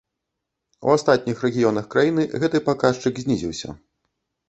У астатніх рэгіёнах краіны гэты паказчык знізіўся.